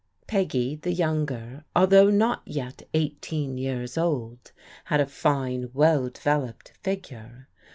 Peggy, the younger, al though not yet eighteen years old, had a fine well de veloped figure.